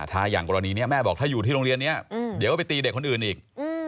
ถ้าอย่างกรณีนี้แม่บอกถ้าอยู่ที่โรงเรียนนี้เดี๋ยวก็ไปตีเด็กคนอื่นอีก